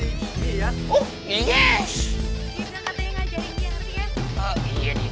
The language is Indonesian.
aduh udah ketinggat cacing kremi